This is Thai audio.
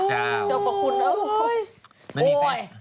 เจ้าประคุณโอ้ย